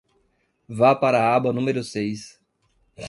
Vá para a aba número seis.